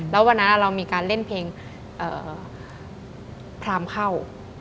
แล้ววันนั้นเรามีการเล่นเพลงพรามเข้า